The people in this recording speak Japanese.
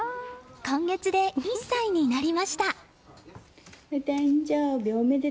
今月で１歳になりました。